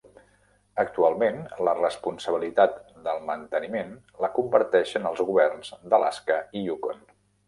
Actualment la responsabilitat del manteniment la comparteixen els governs d'Alaska i Yukon.